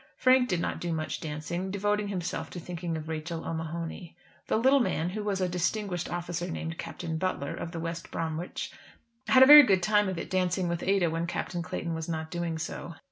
Frank did not do much dancing, devoting himself to thinking of Rachel O'Mahony. The little man, who was a distinguished officer named Captain Butler, of the West Bromwich, had a very good time of it, dancing with Ada when Captain Clayton was not doing so.